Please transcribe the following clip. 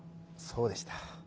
そうでした。